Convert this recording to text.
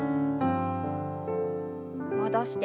戻して。